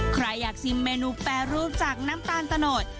ใครอยากชิมเมนูแปรรูปจากน้ำตาลตะโนด